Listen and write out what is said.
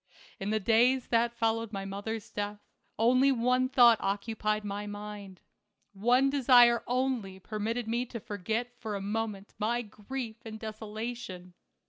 In the days that followed my mother's death only one thought occupied my mind. One desire only permitted me to forget for a moment my grief and desolation.